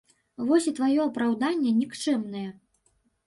Вось і тваё апраўданне нікчэмнае.